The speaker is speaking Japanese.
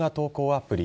アプリ